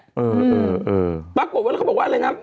อืมปรากฏไว้แล้วเขาบอกว่าอะไรนะ